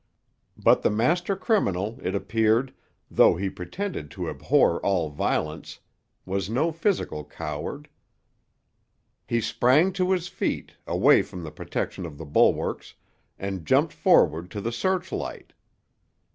But the master criminal, it appeared, though he pretended to abhor all violence, was no physical coward. He sprang to his feet, away from the protection of the bulwarks, and jumped forward to the searchlight.